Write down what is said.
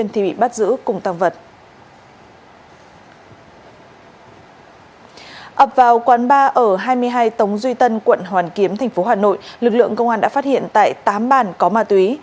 trong một đối tượng lực lượng công an đã phát hiện tại tám bàn có ma túy